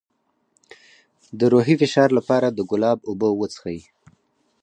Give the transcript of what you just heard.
د روحي فشار لپاره د ګلاب اوبه وڅښئ